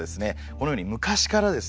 このように昔からですね